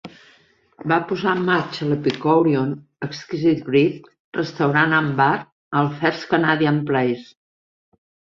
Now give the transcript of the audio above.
Va posar en marxa l'"Epikourion, Exquisite Greek Restaurant and Bar" al First Canadian Place.